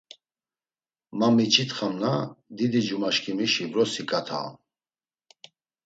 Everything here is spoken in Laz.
Ma miç̌itxam na, didicumaşǩimişi vrosi ǩata on.